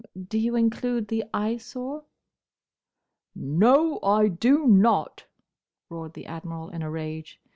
"Do you include the Eyesore?" "No, I do not!" roared the Admiral, in a rage.